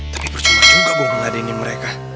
tapi percuma juga bom ngeladinin mereka